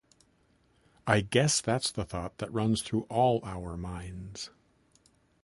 I guess that's the thought that runs through all our minds.